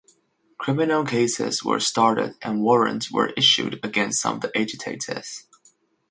Criminal cases were started and warrants were issued against some of the agitators.